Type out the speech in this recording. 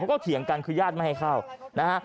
ก็เถียงกันคือญาติไม่ให้เข้านะฮะ